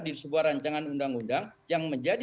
di sebuah rancangan undang undang yang menjadi